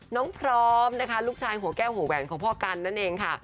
พร้อมนะคะลูกชายหัวแก้วหัวแหวนของพ่อกันนั่นเองค่ะ